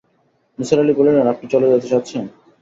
নিসার আলি বললেন, আপনি চলে যেতে চাচ্ছেন, চলে যাবেন।